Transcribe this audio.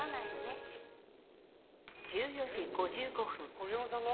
小宮山さんが？